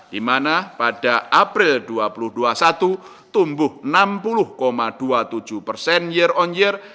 di mana pada april dua ribu dua puluh satu tumbuh enam puluh dua puluh tujuh persen year on year